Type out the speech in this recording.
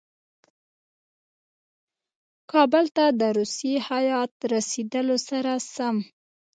کابل ته د روسي هیات رسېدلو سره سم.